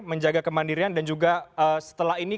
menjaga kemandirian dan juga setelah ini